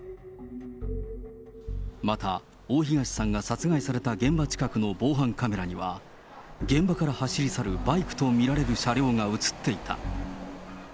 また大東さんが殺害された現場近くの防犯カメラには、現場から走り去るバイクと見られる車両が写っていた。